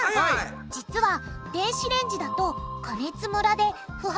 実は電子レンジだと加熱ムラで不発